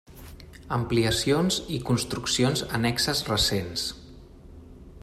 Ampliacions i construccions annexes recents.